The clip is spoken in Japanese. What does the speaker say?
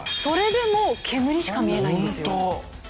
それでも煙しか見えないんですよ。